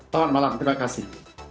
selamat malam terima kasih